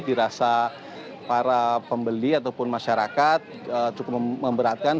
dirasa para pembeli ataupun masyarakat cukup memberatkan